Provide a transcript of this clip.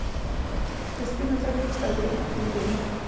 د سپینو زرو ښه برېښنا لېږدوي.